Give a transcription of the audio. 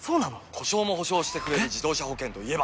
故障も補償してくれる自動車保険といえば？